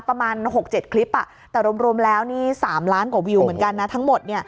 ประมาณ๖๗คลิปแต่รวมแล้วนี่๓ล้านกว่าวิวเหมือนกันนะทั้งหมด